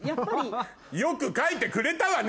良く描いてくれたわね